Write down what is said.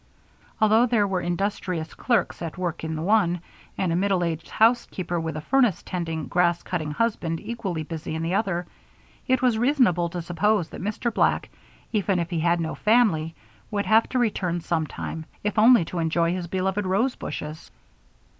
Although there were industrious clerks at work in the one, and a middle aged housekeeper, with a furnace tending, grass cutting husband equally busy in the other, it was reasonable to suppose that Mr. Black, even if he had no family, would have to return some time, if only to enjoy his beloved rose bushes.